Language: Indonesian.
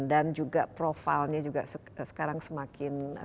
dan juga profilnya juga sekarang semakin kuat